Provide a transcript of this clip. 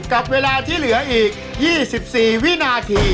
กับเวลาที่เหลืออีก๒๔วินาที